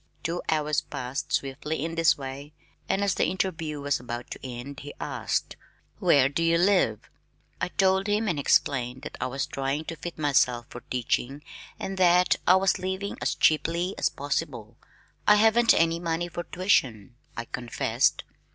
Two hours passed swiftly in this way and as the interview was about to end he asked, "Where do you live?" I told him and explained that I was trying to fit myself for teaching and that I was living as cheaply as possible. "I haven't any money for tuition," I confessed.